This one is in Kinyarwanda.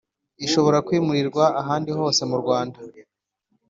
Ishobora kwimurirwa ahandi hose mu Rwanda